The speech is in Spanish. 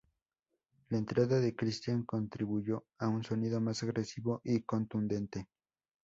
La entrada de Christian contribuyo a un sonido más agresivo y contundente.